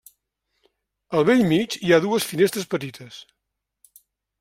Al bell mig, hi ha dues finestres petites.